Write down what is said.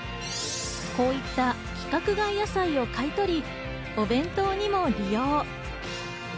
こういった規格外野菜を買い取り、お弁当にも利用。